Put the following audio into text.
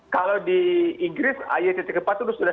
kalau di inggris ay empat itu sudah